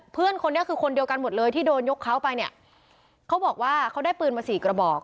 เพื่อนคนนี้คือคนเดียวกันหมดเลยที่โดนยกเขาไปเนี่ยเขาบอกว่าเขาได้ปืนมาสี่กระบอก